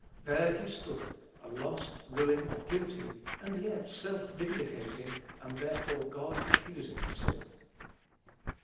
There he stood, a lost, ruined, guilty, and yet, self vindicating, and, therefore, God accusing sinner.